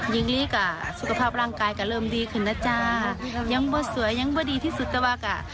หญิงลีก็สุขภาพร่างกายก็เริ่มดีขึ้นนะจ้ายังบ่สวยยังบ่ดีที่สุดแต่ว่าก็